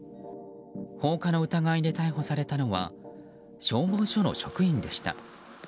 放火の疑いで逮捕されたのは消防署の職員でした。